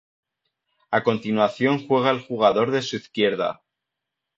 A continuación juega el jugador de su izquierda.